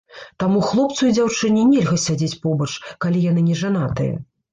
Таму хлопцу і дзяўчыне нельга сядзець побач, калі яны не жанатыя.